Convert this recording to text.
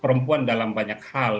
perempuan dalam banyak hal